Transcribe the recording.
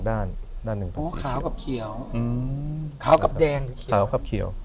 แพงไหมฮะนี้